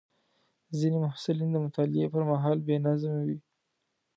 ځینې محصلین د مطالعې پر مهال بې نظم وي.